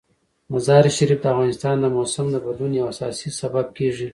مزارشریف د افغانستان د موسم د بدلون یو اساسي سبب کېږي.